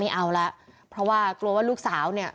เอาแล้วเพราะว่ากลัวว่าลูกสาวเนี่ย